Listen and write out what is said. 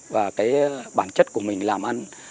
và cái bản chất của mình làm ăn